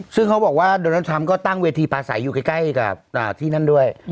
ซึ่งเขาบอกว่าโดนัลดทรัมป์ก็ตั้งเวทีปลาใสอยู่ใกล้กับที่นั่นด้วย